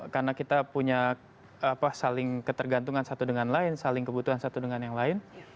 karena kita punya saling ketergantungan satu dengan lain saling kebutuhan satu dengan yang lain